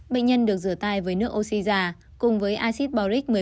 bệnh nhân được rửa tay với nước oxy già cùng với acid boric một mươi